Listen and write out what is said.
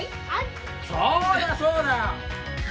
そうだそうだ。